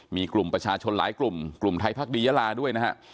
มีกลุ่มประชาชนหลายกลุ่มกลุ่มไทยพักดียาลาด้วยนะฮะ